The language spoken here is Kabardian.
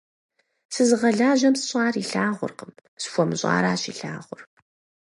Сызыгъэлажьэм сщӏар илъагъуркъым, схуэмыщӏаращ илъагъур.